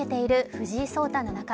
藤井聡太七冠。